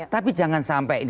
tapi jangan sampai ini